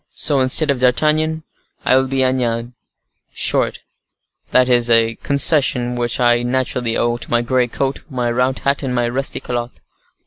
So, instead of D'Artagnan, I will be Agnan, short; that is a concession which I naturally owe to my gray coat, my round hat, and my rusty calotte."